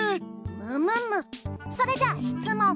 むむむそれじゃしつもん。